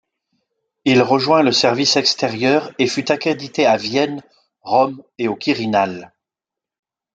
Il rejoint le service extérieur et fut accrédité à Vienne, Rome et au Quirinal.